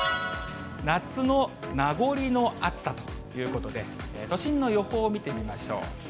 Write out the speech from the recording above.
夏の名残の暑さということで、都心の予報を見てみましょう。